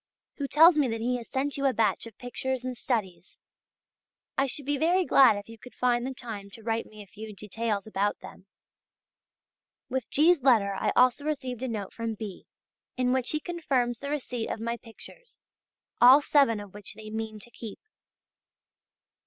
who tells me that he has sent you a batch of pictures and studies. I should be very glad if you could find the time to write me a few details about them. With G's. letter I also received a note from B. in which he confirms the receipt of my pictures, all seven of which they mean to keep.